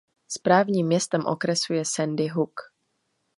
Správním městem okresu je Sandy Hook.